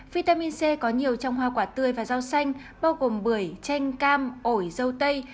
vitamin c có nhiều trong hoa quả tươi và rau xanh bao gồm bưởi chanh cam ổi dâu tây